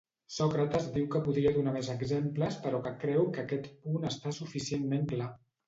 Sòcrates diu que podria donar més exemples però que creu que aquest punt està suficientment clar.